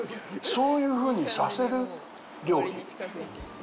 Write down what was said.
そういうふうにさせる料理？